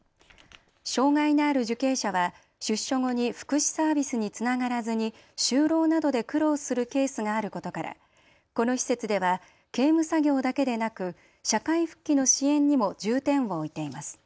障害のある受刑者は出所後に福祉サービスにつながらずに就労などで苦労するケースがあることからこの施設では刑務作業だけでなく社会復帰の支援にも重点を置いています。